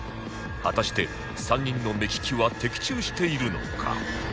果たして３人の目利きは的中しているのか？